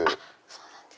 そうなんです。